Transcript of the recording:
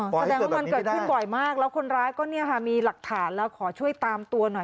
แสดงว่ามันเกิดขึ้นบ่อยมากแล้วคนร้ายก็เนี่ยค่ะมีหลักฐานแล้วขอช่วยตามตัวหน่อย